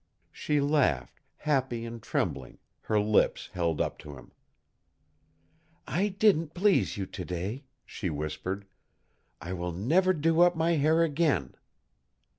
She laughed, happy and trembling, her lips held up to him. "I didn't please you to day," she whispered. "I will never do up my hair again!"